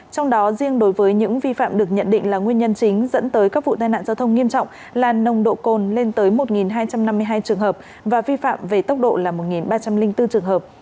trong đó riêng đối với những vi phạm được nhận định là nguyên nhân chính dẫn tới các vụ tai nạn giao thông nghiêm trọng là nồng độ cồn lên tới một hai trăm năm mươi hai trường hợp và vi phạm về tốc độ là một ba trăm linh bốn trường hợp